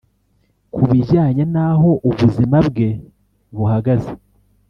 ku bijyanye n’aho ubuzima bwe buhagaze